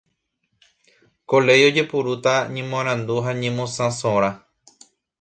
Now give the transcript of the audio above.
Ko léi ojepurúta ñemoarandu ha ñemosãsorã.